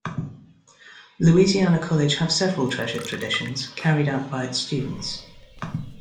Louisiana College have several treasured traditions carried out by its students.